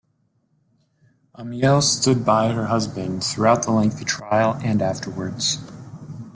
Amiel stood by her husband throughout the lengthy trial and afterwards.